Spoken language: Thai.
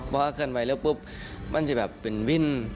เพราะว่าเคลื่อนไว้เลือกปุ๊บมันจะแบบเป็นวิ่น